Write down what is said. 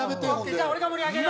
じゃあ俺が盛り上げる。